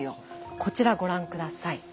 こちらご覧下さい。